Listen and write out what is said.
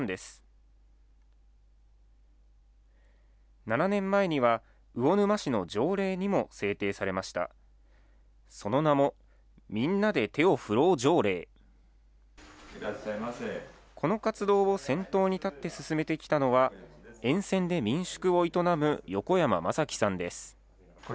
この活動を先頭に立って進めてきたのは、沿線で民宿を営む横山正樹さんです。